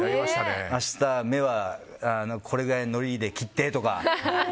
明日、目はこれぐらいのりで切ってとか。